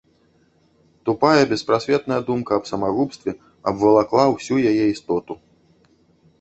Тупая беспрасветная думка аб самагубстве абвалакла ўсю яе істоту.